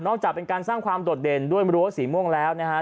จากการสร้างความโดดเด่นด้วยรั้วสีม่วงแล้วนะฮะ